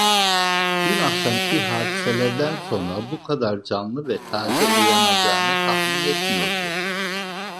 Dün akşamki hadiselerden sonra bu kadar canlı ve taze uyanacağını tahmin etmiyordu.